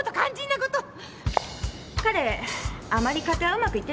彼あまり家庭はうまくいってないみたいですね。